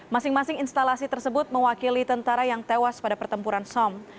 masing masing instalasi tersebut mewakili tentara yang tewas pada pertempuran som